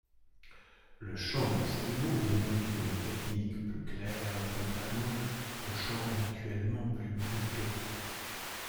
Le chant d'Anselmo démontre une technique plus clair contrairement aux chants habituellement plus brutaux.